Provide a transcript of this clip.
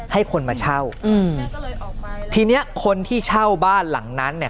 ให้คนมาเช่าอืมแม่ก็เลยออกไปทีเนี้ยคนที่เช่าบ้านหลังนั้นเนี้ย